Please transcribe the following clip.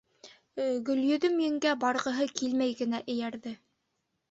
Гөлйөҙөм еңгә барғыһы килмәй генә эйәрҙе.